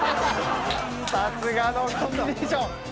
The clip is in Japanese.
さすがのコンビネーション。